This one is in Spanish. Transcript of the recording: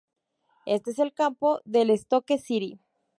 Este es el campo del Stoke City.